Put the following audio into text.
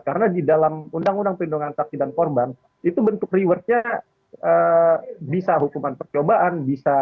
karena di dalam undang undang pendudukan saksi dan korban itu bentuk rewardnya bisa hukuman percobaan